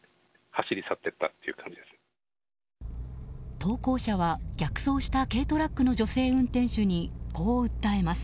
投稿者は逆走した軽トラックの女性運転手にこう訴えます。